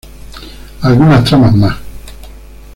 Algunas tramas más.